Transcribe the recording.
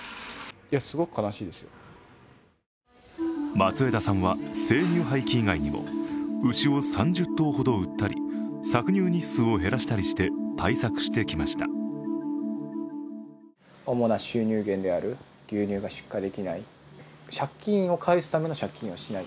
松枝さんは生乳廃棄以外にも牛を３０頭ほど売ったり搾乳日数を減らしたりして対策してきました。